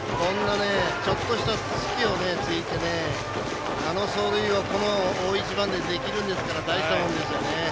ちょっとした隙を突いてあの走塁を大一番でできるんですから大したもんですよね。